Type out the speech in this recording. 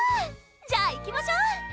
じゃあいきましょう！